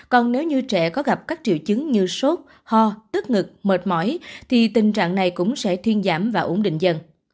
còn nếu như trẻ có gặp các triệu chứng như sốt ho tức ngực mệt mỏi thì tình trạng này cũng sẽ thuyên giảm và ổn định dần